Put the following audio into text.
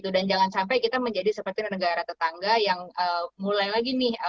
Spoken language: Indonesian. dan jangan sampai kita menjadi seperti negara tetangga yang mulai lagi nih